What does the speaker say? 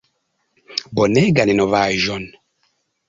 Bonegan novaĵon!"